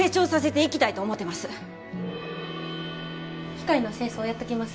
機械の清掃やっときます。